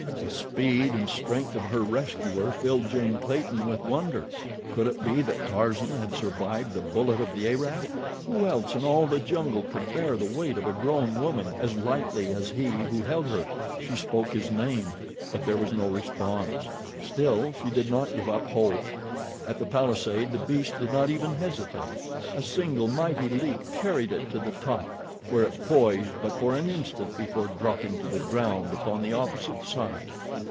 The speed and strength of her rescuer filled Jane Clayton with wonder. Could it be that Tarzan had survived the bullet of the Arab? Who else in all the jungle could bear the weight of a grown woman as lightly as he who held her? She spoke his name; but there was no response. Still she did not give up hope. At the palisade the beast did not even hesitate. A single mighty leap carried it to the top, where it poised but for an instant before dropping to the ground upon the opposite side.